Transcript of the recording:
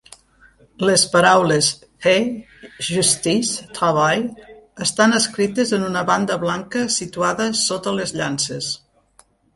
Les paraules "Paix, Justice, Travail" estan escrites en una banda blanca situada sota les llances.